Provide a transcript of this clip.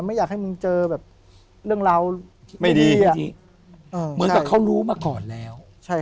ไม่อยากให้มึงเจอแบบเรื่องราวที่ไม่ดีเหมือนกับเขารู้มาก่อนแล้ว